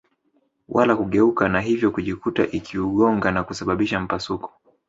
wala kugeuka na hivyo kujikuta ikiugonga na kusababisha mpasuko